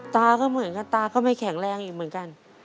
ตาก็เหมือนกับตาก็ไม่แข็งแรงอีกเหมือนกัน